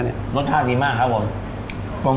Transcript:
รสชาติดีมากครับผม